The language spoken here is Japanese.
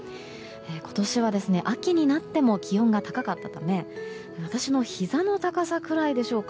今年は、秋になっても気温が高かったため私のひざの高さくらいでしょうか。